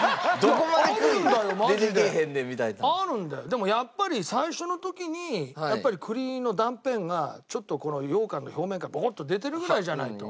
でもやっぱり最初の時に栗の断片がちょっと羊かんの表面からボコッと出てるぐらいじゃないと。